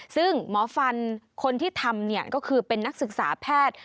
ซึ่งหมอฟันคนที่ทำก็คือเป็นนักศึกษาแพทย์